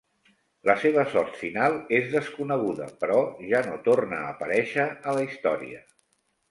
La seva sort final és desconeguda, però ja no torna a aparèixer a la història.